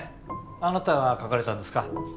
あなたが描かれたんですか？